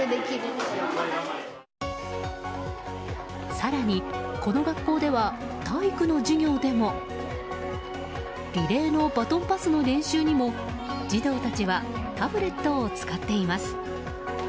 更に、この学校では体育の授業でもリレーのバトンパスの練習にも児童たちはタブレットを使っています。